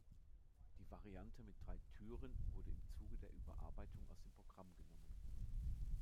Die Variante mit drei Türen wurde im Zuge der Überarbeitung aus dem Programm genommen.